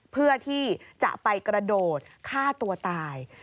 เพื่อที่จะไปกระโดดฆ่าตัวตาย